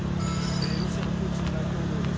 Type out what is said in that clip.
ロシアのプーチン大統領です。